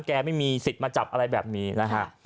ไม่มีสิทธิ์มาจับอะไรแบบนี้นะฮะ